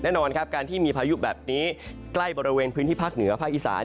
แน่นอนครับการที่มีพายุแบบนี้ใกล้บริเวณพื้นที่ภาคเหนือภาคอีสาน